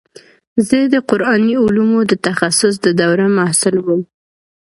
زه د قراني علومو د تخصص د دورې محصل وم.